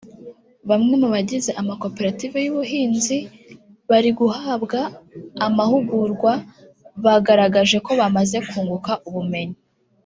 Bamwe mu bagize amakoperative y’ubuhinzi bari guhabwa amahugurwa bagaragaje ko bamaze kunguka ubumenyi